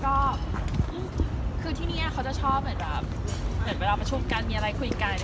ก็คือที่นี่เขาจะชอบเหมือนเวลามาชุบกันมีอะไรคุยกัน